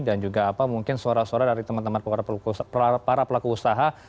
dan juga apa mungkin suara suara dari teman teman para pelaku usaha